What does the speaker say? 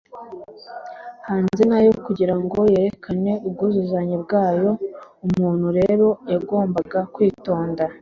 hanze nayo kugirango yerekane ubwuzuzanye bwayo. umuntu rero yagombaga kwitonda